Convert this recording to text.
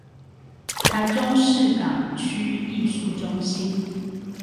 臺中市港區藝術中心